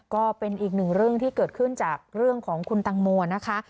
ก็เป็นอีกหนึ่งเรื่องที่เกิดขึ้นจากเรื่องของคุณตังโมนะคะ